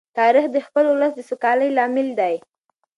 تاریخ د خپل ولس د سوکالۍ لامل دی.